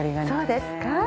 そうですか？